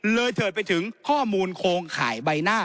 เถิดไปถึงข้อมูลโครงข่ายใบหน้า